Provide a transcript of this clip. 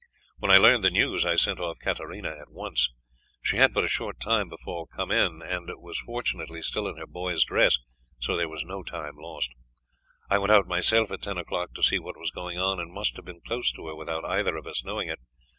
When I learned the news I sent off Katarina at once. She had but a short time before come in, and was fortunately still in her boy's dress, so there was no time lost. I went out myself at ten o'clock to see what was going on, and must have been close to her without either of us knowing it.